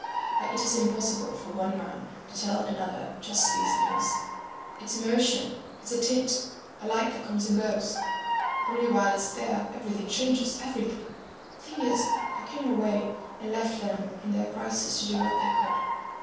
"But it is impossible for one man to tell another just these things. It's emotion, it's a tint, a light that comes and goes. Only while it's there, everything changes, everything. The thing is I came away and left them in their Crisis to do what they could."